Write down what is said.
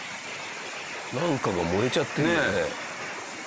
なんかが燃えちゃってるね。